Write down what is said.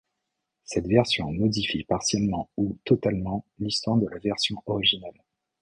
Cette version modifie partiellement ou totalement l'histoire de la version originale.